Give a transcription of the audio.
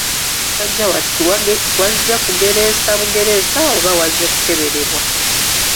Musajja wattu wazze kugereesa bugereesa oba wazze kukeberebwa?